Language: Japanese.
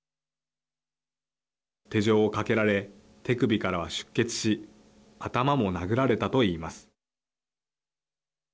手錠をかけられ手首からは出血し頭も殴られたと言います。